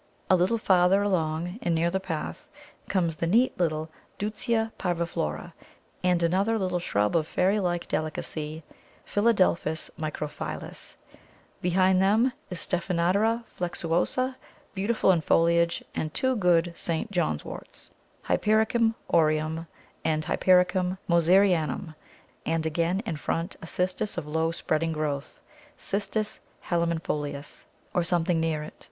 A little farther along, and near the path, comes the neat little Deutzia parviflora and another little shrub of fairy like delicacy, Philadelphus microphyllus. Behind them is Stephanandra flexuosa, beautiful in foliage, and two good St. John's worts, Hypericum aureum and H. Moserianum, and again in front a Cistus of low, spreading growth, C. halimifolius, or something near it.